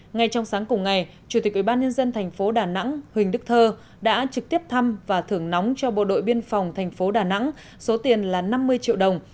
ngay trong sáng cùng ngày chủ tịch ubnd tp đà nẵng huỳnh đức thơ đã trực tiếp thăm và thưởng nóng cho bộ đội biên phòng tp đà nẵng số tiền là năm mươi triệu đồng